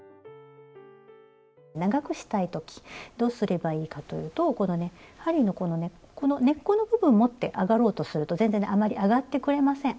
長くしたい時どうすればいいかというとこのね針のこの根っこの部分持って上がろうとすると全然ねあまり上がってくれません。